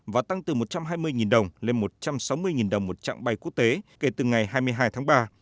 và tăng từ một trăm hai mươi nghìn đồng lên một trăm sáu mươi nghìn đồng một trạng bay quốc tế kể từ ngày hai mươi hai tháng ba